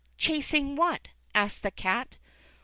Chasing what ?" asked the cat.